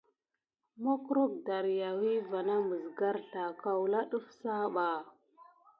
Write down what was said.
Makkrok dariawi va na məs garzlaw kawla ɗəf sah ɓa.